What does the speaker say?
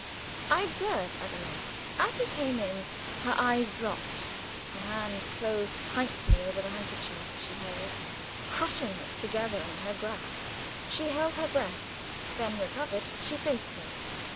I observed Adelaide. As he came in her eyes dropped; her hand closed tightly over the handkerchief she held, crushing it together in her grasp; she held her breath; then, recovered, she faced him.